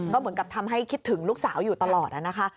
ก็เหมือนกับทำให้คิดถึงลูกสาวอยู่ตลอดนะคะ